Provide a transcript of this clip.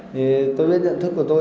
thì tôi biết nhận thức của tôi